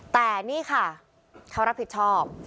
แต่นี่ค่ะเขารับผิดชอบ